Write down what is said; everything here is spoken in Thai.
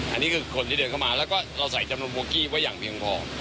อันนี้คือคนที่เดินเข้ามาแล้วก็เราใส่จำนวนโบกี้ไว้อย่างเพียงพอ